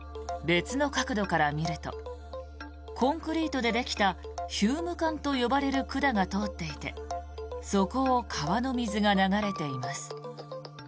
別の角度から見るとコンクリートでできたヒューム管と呼ばれる管が通っていてそこを川の水が流れています。